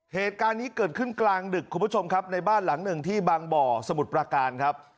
เหตุการณ์นี้เกิดขึ้นกลางดึกคุณผู้ชมครับในบ้านหลังหนึ่งที่บางบ่อสมุทรประการครับ